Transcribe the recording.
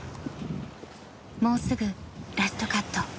もうすぐラストカット。